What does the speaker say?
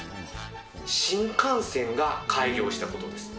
新幹線が開業したことです。